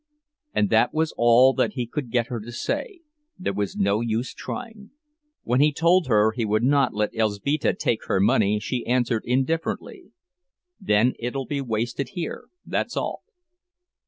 And that was all that he could get her to say—there was no use trying. When he told her he would not let Elzbieta take her money, she answered indifferently: "Then it'll be wasted here—that's all."